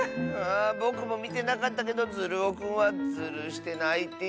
ぼくもみてなかったけどズルオくんはズルしてないっていうし。